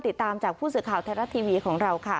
ติดตามจากผู้สื่อข่าวไทยรัฐทีวีของเราค่ะ